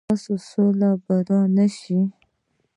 ایا ستاسو سوله به را نه شي؟